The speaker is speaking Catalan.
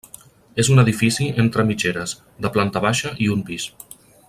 És un edifici entre mitgeres, de planta baixa i un pis.